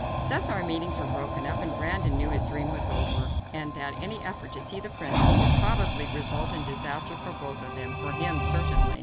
Thus our meetings were broken up, and Brandon knew his dream was over, and that any effort to see the princess would probably result in disaster for them both; for him certainly.